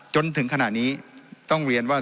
จนถึงขณะนี้ต้องเรียนว่า